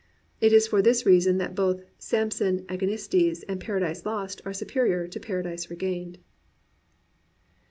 It is for this reason that both Samson Agonistes and Paradise Lost are superior to Paradise Regained.